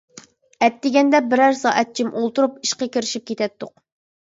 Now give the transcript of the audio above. ئەتىگەندە بىرەر سائەت جىم ئولتۇرۇپ ئىشقا كىرىشىپ كېتەتتۇق.